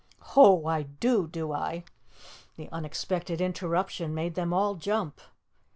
"Ho! I do, do I?" The unexpected interruption made them all jump.